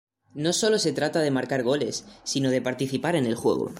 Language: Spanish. No sólo se trata de marcar goles, sino de participar en el juego.